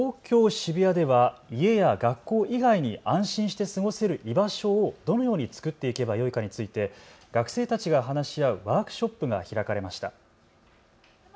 渋谷では家や学校以外に安心して過ごせる居場所をどのように作っていけばよいかについて学生たちが話し合うワークショップが開かれました。